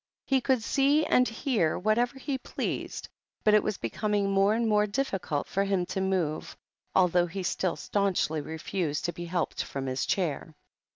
He could see and hear whatever he pleased, but it was becoming more and more difficult for him to move, although he still staunchly refused to be helped from his chair.